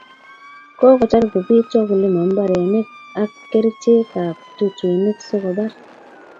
Kokotai kupit wakulima mbarenig ak kercheck ab tutuinik so kopar.